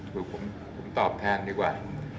ผมตอบแทนดีกว่า